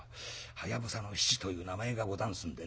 はやぶさの七という名前がござんすんでね。